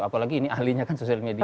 apalagi ini ahlinya kan sosial media